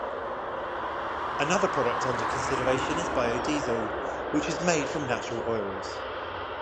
Another product under consideration is biodiesel, which is made from natural oils.